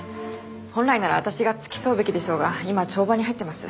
本来なら私が付き添うべきでしょうが今帳場に入ってます。